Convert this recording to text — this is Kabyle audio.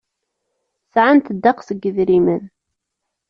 Sɛant ddeqs n yedrimen.